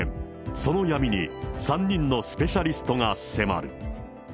その闇に３人のスペシャリストが迫る。